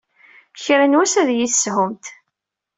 Kra n wass ad iyi-teshumt.